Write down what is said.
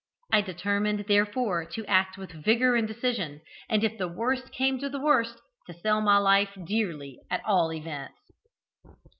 I determined, therefore, to act with vigour and decision, and, if the worst came to the worst, to sell my life dearly at all events.